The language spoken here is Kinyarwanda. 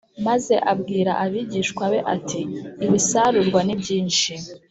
Maze abwira abigishwa be ati Ibisarurwa nibyinshi